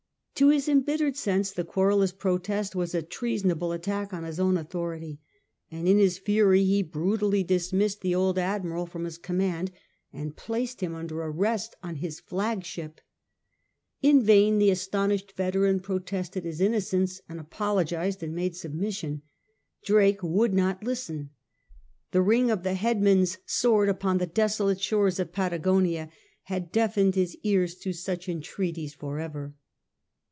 To his embittered sense the querulous protest was a treasonable attack on his own authority, and in his fury he brutally dismissed the old admiral V 124 SIR FRANCIS DRAKE chap. from his command, and placed him under arrest on his flagship. In vain the astonished veteran protested his innocence, apologised, and made submission. Drake woidd not listen. The ring of the headsman's sword upon the desolate shores of Patagonia had deafened his ears to such entreaties for ever.